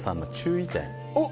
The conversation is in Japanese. おっ！